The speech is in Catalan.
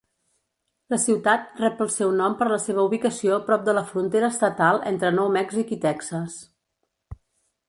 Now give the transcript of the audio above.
La ciutat rep el seu nom per la seva ubicació prop de la frontera estatal entre Nou Mèxic i Texas.